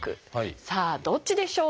さあどっちでしょう？